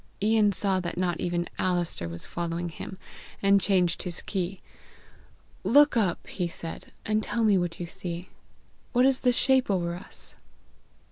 Ian saw that not even Alister was following him, and changed his key. "Look up," he said, "and tell me what you see. What is the shape over us?"